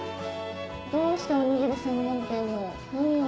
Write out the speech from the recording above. どうしておにぎり専門店を？